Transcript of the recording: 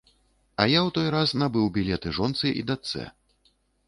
А я ў той раз набыў білеты жонцы і дачцэ.